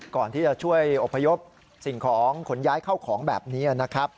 ก่อนที่จะช่วยอบพยพสิ่งของขนย้ายเข้าของแบบนี้นะครับ